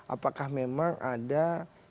apakah memang ada pihak ketiga yang memang menelusuri